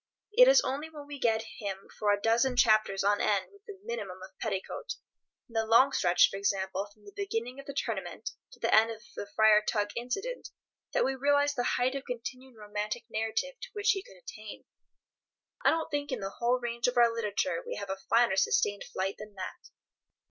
It is only when we get him for a dozen chapters on end with a minimum of petticoat—in the long stretch, for example, from the beginning of the Tournament to the end of the Friar Tuck incident—that we realize the height of continued romantic narrative to which he could attain. I don't think in the whole range of our literature we have a finer sustained flight than that.